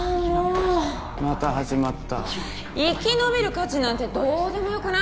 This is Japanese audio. また始まった生き延びる価値なんてどうでもよくない？